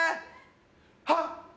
はっ！